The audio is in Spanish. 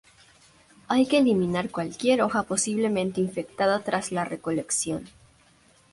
Hay que eliminar cualquier hoja posiblemente infectada tras la recolección.